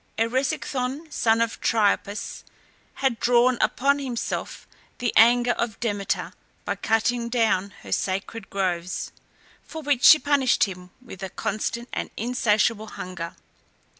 Eresicthon, son of Triopas, had drawn upon himself the anger of Demeter by cutting down her sacred groves, for which she punished him with a constant and insatiable hunger.